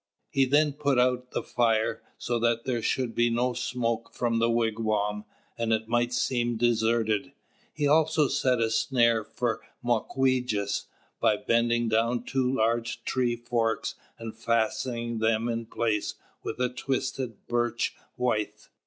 He then put out the fire, so that there should be no smoke from the wigwam, and it might seem deserted. He also set a snare for Mawquejess, by bending down two large tree forks and fastening them in place with a twisted birch withe.